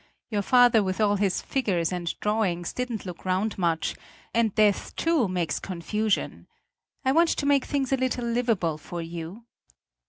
Your father with all his figures and drawings didn't look round much, and the death too makes confusion. I want to make things a little livable for you."